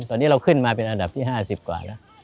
ตอนนี้เราขึ้นมาเป็นอันดับที่๕๐กว่าแล้ว